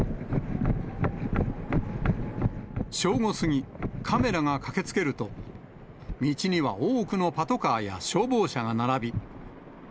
正午過ぎ、カメラが駆けつけると、道には多くのパトカーや消防車が並び。